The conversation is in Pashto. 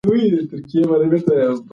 رد کول د ټولنې مسوولیت دی